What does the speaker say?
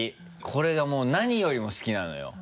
これが何よりも好きなのよ。